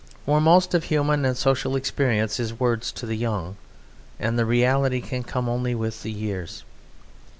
For most of human and social experience is words to the young, and the reality can come only with years.